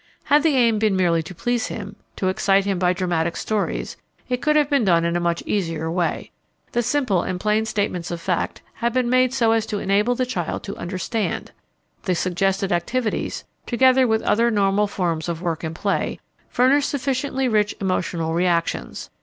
Had the aim been merely to please him, to excite him by dramatic stories, it could have been done in a much easier way. The simple and plain statements of fact have been made so as to enable the child to understand. The suggested activities, together with other normal forms of work and play, furnish sufficiently rich emotional reactions.